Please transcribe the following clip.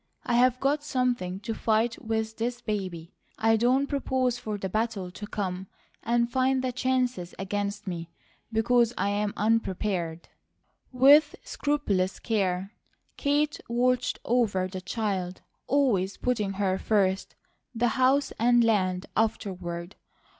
"I've got something to fight with this baby; I don't propose for the battle to come and find the chances against me, because I'm unprepared." With scrupulous care Kate watched over the child, always putting her first, the house and land afterward.